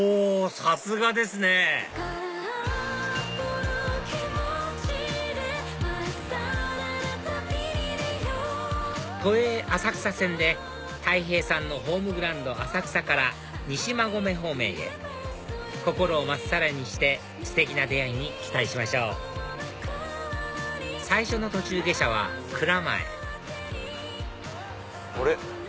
さすがですね都営浅草線でたい平さんのホームグラウンド浅草から西馬込方面へ心を真っさらにしてステキな出会いに期待しましょう最初の途中下車は蔵前あれ？